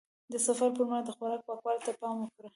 د سفر پر مهال د خوراک پاکوالي ته پام وکړه.